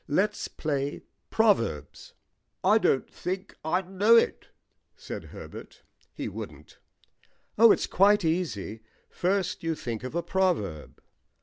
"Let's play proverbs." "I don't think I know it," said Herbert. (He wouldn't.) "Oh, it's quite easy. First you think of a proverb."